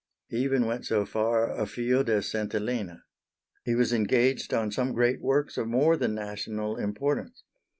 He even went so far afield as St. Helena. He was engaged on some great works of more than national importance.